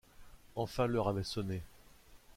Enfin l’heure avait sonné.